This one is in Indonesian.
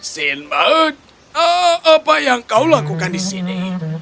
sinbuk apa yang kau lakukan di sini